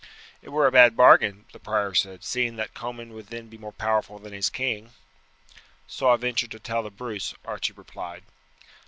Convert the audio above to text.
"It were a bad bargain," the prior said, "seeing that Comyn would then be more powerful than his king." "So I ventured to tell the Bruce," Archie replied.